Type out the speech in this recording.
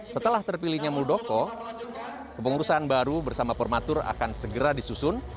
setelah terpilihnya muldoko kepengurusan baru bersama formatur akan segera disusun